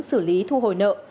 xử lý thu hồi nợ